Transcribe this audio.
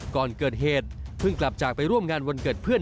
ก่อนเกิดเหตุเพิ่งกลับจากไปร่วมงานวันเกิดเพื่อน